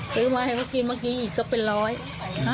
ซื้อมาให้เขากินเมื่อกี้อีกก็เป็นร้อย